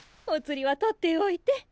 おつりは取っておいて。